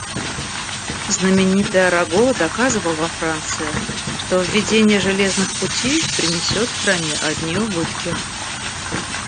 Знаменитый Араго доказывал во Франции, что введение железных путей принесет стране одни убытки.